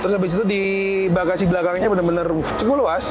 terus abis itu di bagasi belakangnya bener bener cukup luas